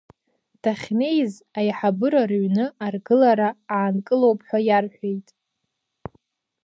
Дахьнеиз Аиҳабыра Рыҩны аргылара аанкылоуп ҳәа иарҳәеит.